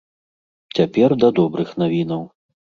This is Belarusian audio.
Цяпер да добрых навінаў.